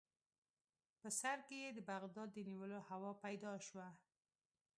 په سر کې یې د بغداد د نیولو هوا پیدا شوه.